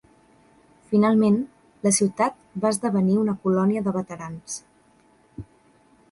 Finalment, la ciutat va esdevenir una colònia de veterans.